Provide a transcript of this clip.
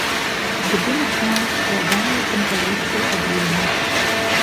Будынак мае складаную кампазіцыю аб'ёмаў.